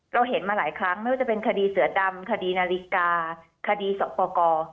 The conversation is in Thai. เราเห็นมาหลายครั้งไม่ว่าจะเป็นคดีเสือดำคดีนาฬิกาคดีสอบประกอบ